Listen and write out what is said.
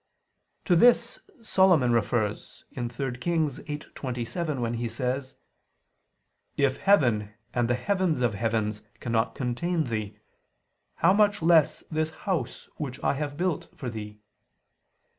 To this Solomon refers (3 Kings 8:27) when he says: "If heaven and the heavens of heavens cannot contain Thee, how much less this house which I have built" for Thee?